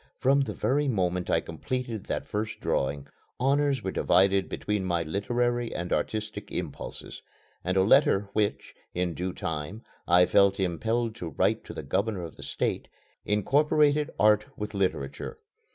From the very moment I completed that first drawing, honors were divided between my literary and artistic impulses; and a letter which, in due time, I felt impelled to write to the Governor of the State, incorporated art with literature.